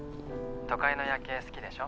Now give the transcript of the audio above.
都会の夜景好きでしょ？